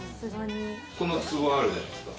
このツボあるじゃないですか。